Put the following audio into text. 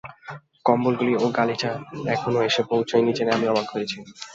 কম্বলগুলি ও গালিচা এখনও এসে পৌঁছয়নি জেনে আমি অবাক হয়েছি।